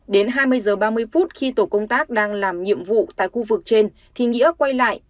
đến hai mươi h ba mươi phút khi tổ công tác đang làm nhiệm vụ tại khu vực trên thì nghĩa quay lại